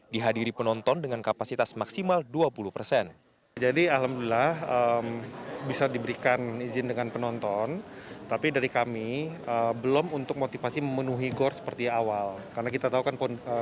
dihadiri penonton dengan kapasitas maksimal dua puluh persen